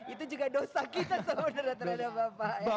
itu juga dosa kita sebenarnya terhadap bapak